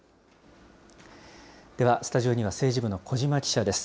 ではスタジオには政治部の小嶋記者です。